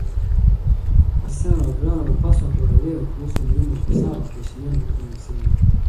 Wasichana na wavulani wanapaswa waelewe kuhusu umuhimu wa usawa na kuheshimiana katika mahusiano